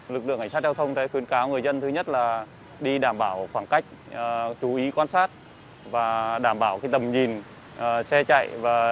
lực lượng cảnh sát giao thông đã khuyên cáo người dân thứ nhất là đi đảm bảo khoảng cách chú ý quan sát và đảm bảo tầm nhìn xe chạy